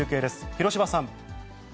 広芝さん。